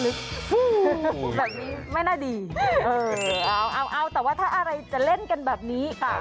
แบบนี้ไม่น่าดีเออเอาเอาแต่ว่าถ้าอะไรจะเล่นกันแบบนี้ค่ะ